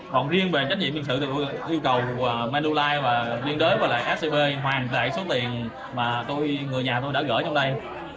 còn riêng về trách nhiệm viên sự thì yêu cầu menolite và liên đối với lại scb hoàn đại số tiền mà người nhà tôi đã gửi trong đây